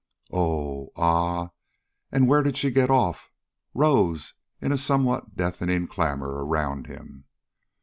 "Oh!" "Ah!" and "Where did she get off?" rose in a somewhat deafening clamor around him.